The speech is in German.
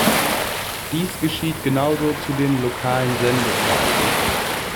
Dies geschieht genauso zu den lokalen Sendezeiten.